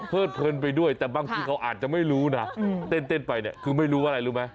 เพลินไปด้วยแต่บางทีเขาอาจจะไม่รู้นะเต้นไปเนี่ยคือไม่รู้ว่าอะไรรู้ไหม